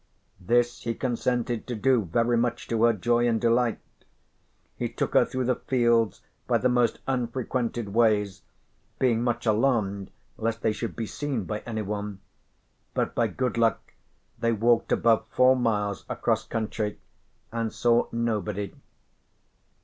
This he consented to do very much to her joy and delight. He took her through the fields by the most unfrequented ways, being much alarmed lest they should be seen by anyone. But by good luck they walked above four miles across country and saw nobody.